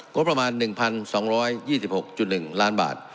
ประมาณ๑๒๒๖๑ล้านบาท